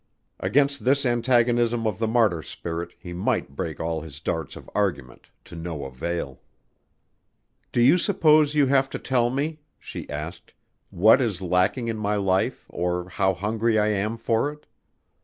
Against this antagonism of the martyr spirit he might break all his darts of argument, to no avail. "Do you suppose you have to tell me," she asked, "what is lacking in my life or how hungry I am for it?